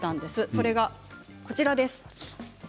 それがこちらです。